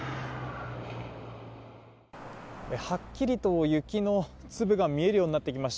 はっきりと雪の粒が見えるようになってきました。